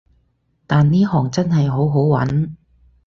但呢行真係好好搵